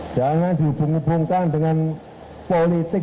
jangan dihubung hubungkan dengan politik